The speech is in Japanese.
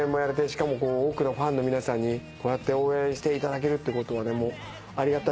しかも多くのファンの皆さんにこうやって応援していただけるってことはありがたい。